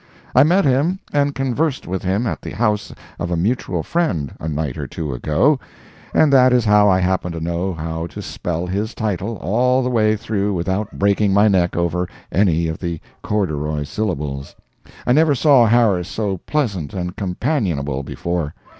I met him and conversed with him at the house of a mutual friend a night or two ago, and that is how I happen to know how to spell his title all the way through without breaking my neck over any of the corduroy syllables. I never saw Harris so pleasant and companionable before.